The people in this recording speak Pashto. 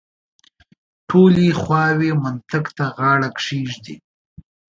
ټولې خواوې منطق ته غاړه کېږدي.